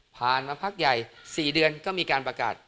มาพักใหญ่๔เดือนก็มีการประกาศ